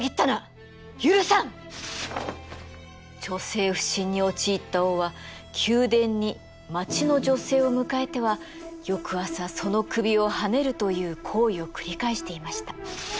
女性不信に陥った王は宮殿に町の女性を迎えては翌朝その首をはねるという行為を繰り返していました。